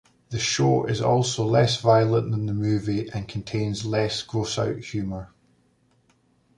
The show is also less violent than the movie, and contains less gross-out humor.